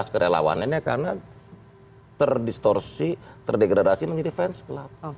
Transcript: kerelawannya karena terdistorsi terdegradasi menjadi fan club